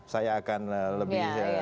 saya akan lebih